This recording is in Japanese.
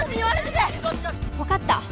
わかった！